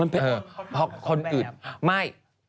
เพราะคนอื่นไม่